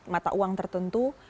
mata uang tertentu